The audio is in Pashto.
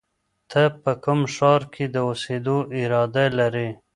ته په کوم ښار کې د اوسېدو اراده لرې؟